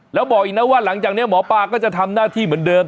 แล้วบอกอีกนะว่าหลังจากนี้หมอปลาก็จะทำหน้าที่เหมือนเดิม